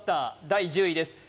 第１０位です